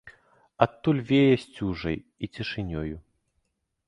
Адтуль вее сцюжай і цішынёю.